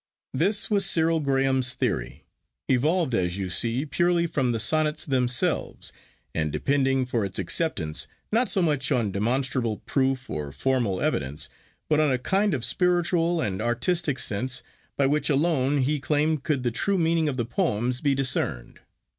This was Cyril Graham's theory, evolved as you see purely from the Sonnets themselves, and depending for its acceptance not so much on demonstrable proof or formal evidence, but on a kind of spiritual and artistic sense, by which alone he claimed could the true meaning of the poems be discerned.